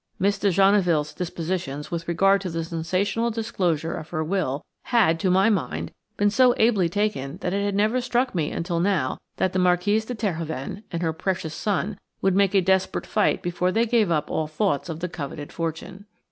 Miss de Genneville's dispositions with regard to the sensational disclosure of her will had, to my mind, been so ably taken that it had never struck me until now that the Marquise de Terhoven and her precious son would make a desperate fight before they gave up all thoughts of the coveted fortune.